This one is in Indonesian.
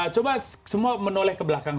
coba semua menoleh ke belakang